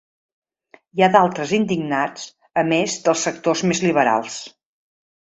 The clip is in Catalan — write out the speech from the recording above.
Hi ha d'altres indignats a més dels sectors més liberals.